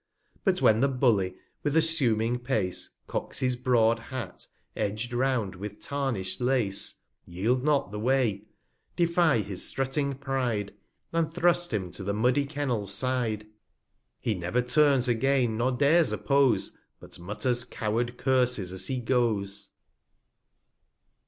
But when the Bully, with assuming Pace, Cocks his broad Hat, edg'd round with tarnish'd Lace, /Yield not the Way; defie his strutting Pride,! 61 ___ J^And thrust him to the muddy Kennel's side; He never turns again, nor dares oppose, But mutters coward Curses as he goes.